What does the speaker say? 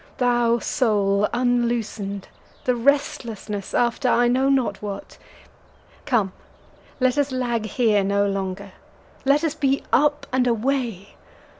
Thou, Soul, unloosen'd—the restlessness after I know not what; Come! let us lag here no longer—let us be up and away!